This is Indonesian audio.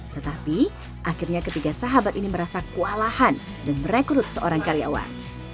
tetapi akhirnya ketiga sahabat ini merasa kewalahan dan merekrut seorang karyawan